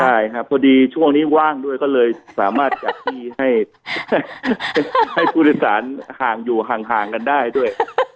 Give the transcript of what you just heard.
ใช่ครับพอดีช่วงนี้ว่างด้วยก็เลยสามารถจัดที่ให้ผู้โดยสารห่างอยู่ห่างกันได้ด้วย